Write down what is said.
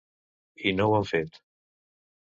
I no ho han fet.